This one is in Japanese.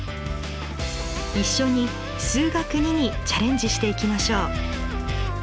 一緒に「数学Ⅱ」にチャレンジしていきましょう。